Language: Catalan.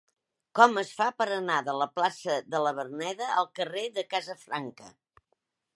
Com es fa per anar de la plaça de la Verneda al carrer de Casafranca?